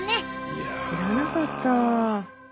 知らなかった。